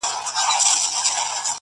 په لوی لاس به ورانوي د ژوندون خونه-